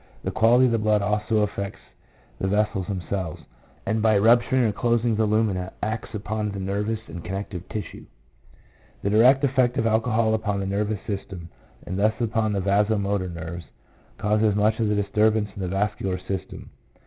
The quality of the blood also affects the vessels themselves, and by rupturing or closing the lumina acts upon the nervous and connective tissue. The direct effect of alcohol upon the nervous system, and thus upon the vaso motor nerves, causes much of the disturbance in the vascular system.